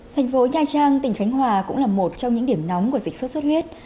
thành phố nha trang tỉnh khánh hòa cũng là một trong những điểm nóng của dịch sốt xuất huyết